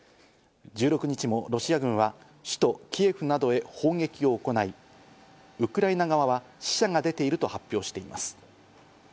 １６日もロシア軍は首都キエフなどへ砲撃を行い、ウクライナ側は死者が出ていると発表しています。